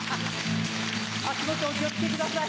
足元お気を付けください。